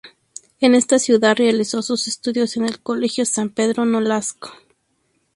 En esta ciudad realizó sus estudios en el Colegio San Pedro Nolasco.